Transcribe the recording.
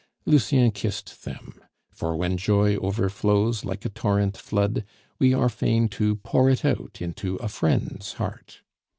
Lucien kissed them; for when joy overflows like a torrent flood, we are fain to pour it out into a friend's heart.